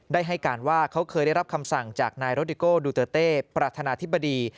ได้ให้การว่าเขาเคยได้รับคำสั่งจากนายโรดิโก้ดูเตอร์เต้ประธานาธิบดี